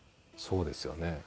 そうですよね。